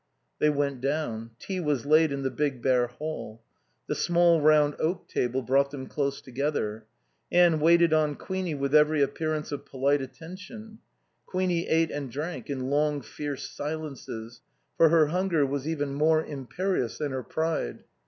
They went down. Tea was laid in the big bare hall. The small round oak table brought them close together. Anne waited on Queenie with every appearance of polite attention. Queenie ate and drank in long, fierce silences; for her hunger was even more imperious than her pride.